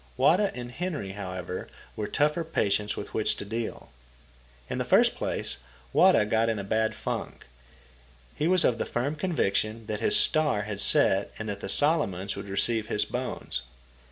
Wada and Henry, however, were tougher patients with which to deal. In the first place, Wada got in a bad funk. He was of the firm conviction that his star had set and that the Solomons would receive his bones.